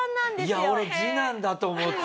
いや俺次男だと思ってた。